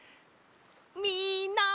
みんな！